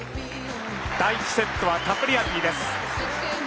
第１セットはカプリアティです。